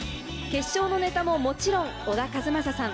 決勝のネタももちろん小田和正さん。